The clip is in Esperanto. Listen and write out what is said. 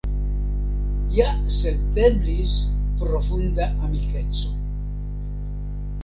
Ja senteblis profunda amikeco.